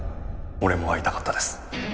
俺も会いたかったです。